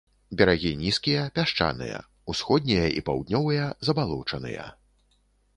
Берагі нізкія, пясчаныя, усходнія і паўднёвыя забалочаныя.